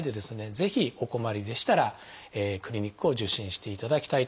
ぜひお困りでしたらクリニックを受診していただきたいと思います。